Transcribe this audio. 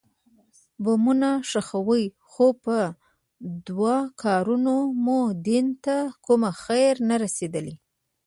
بمونه ښخوئ خو په دو کارونو مو دين ته کوم خير رسېدلى.